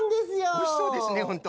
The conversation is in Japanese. おいしそうですねホント。